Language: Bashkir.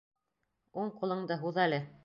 Уң ҡулыңды һуҙ әле.